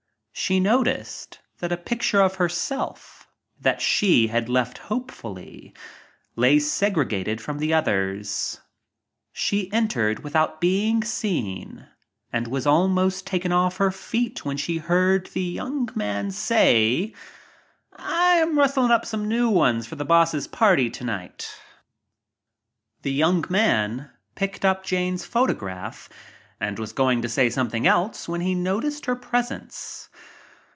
She noticed that a picture of herself, that she had left hopefully, lay segregated from the others, entered without being seen and was almost taken off her feet when she heard the young man say : "I am rustling up some new ones for the Boss* party tonight/* s .. €i ■■ 26 PARTIES The young man picked up Jane's photograph and was going to say something else when he noticed presence.